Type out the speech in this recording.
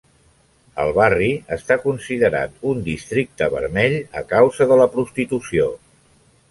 El barri està considerat un districte vermell a causa de la prostitució.